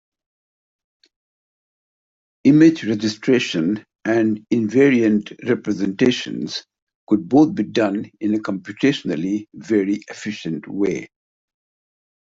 Image registration and invariant representations could both be done in a computationally very efficient way.